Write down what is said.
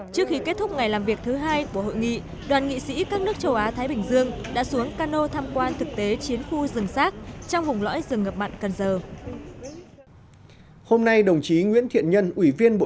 trước khi kết thúc ngày làm việc thứ hai của hội nghị đoàn nghị sĩ các nước châu á thái bình dương đã xuống cano thăm quan thực tế chiến khu rừng sát trong vùng lõi rừng ngập mặn cần giờ